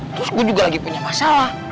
terus gue juga lagi punya masalah